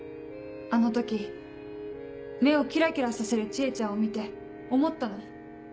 あの時目をキラキラさせる知恵ちゃんを見て思ったの。